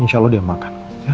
insya allah dia makan